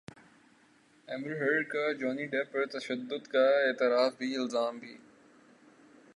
امبر Heard کا Johnny Depp پر تشدد کا اعتراف بھی الزام بھی